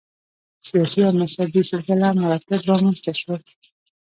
سیاسي او مذهبي سلسله مراتب رامنځته شول